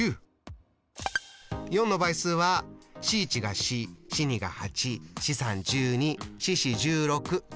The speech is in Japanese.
４の倍数は４１が４４２が８４３１２４４１６。